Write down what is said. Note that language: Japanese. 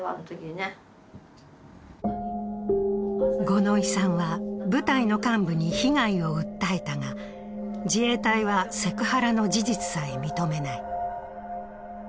五ノ井さんは部隊の幹部に被害を訴えたが、自衛隊はセクハラの事実さえ認めない。